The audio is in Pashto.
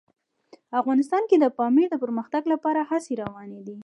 افغانستان کې د پامیر د پرمختګ لپاره هڅې روانې دي.